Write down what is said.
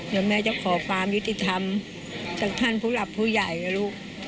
เดี๋ยวแม่จะขอความยุติธรรมจากท่านผู้หลับผู้ใหญ่นะลูก